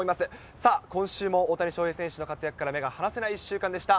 さあ、今週も大谷翔平選手の活躍から目が離せない１週間でした。